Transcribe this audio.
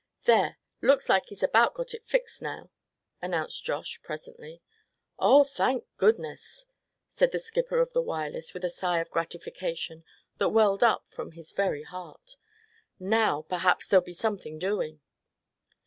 "There, looks like he's about got it fixed now," announced Josh, presently. "Oh! thank goodness!" said the skipper of the Wireless with a sigh of gratification that welled up from his very heart. "Now perhaps there'll be something doing."